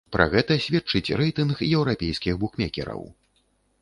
Пра гэта сведчыць рэйтынг еўрапейскіх букмекераў.